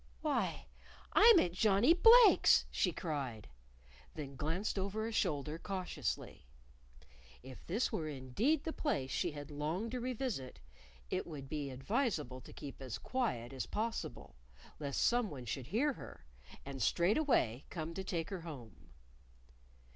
"Why, I'm at Johnnie Blake's!" she cried then glanced over a shoulder cautiously. If this were indeed the place she had longed to revisit, it would be advisable to keep as quiet as possible, lest someone should hear her, and straightway come to take her home.